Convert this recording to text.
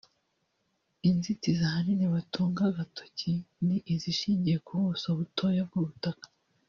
Inzitizi ahanini batunga agatoki ni izishingiye ku buso butoya bw’ubutaka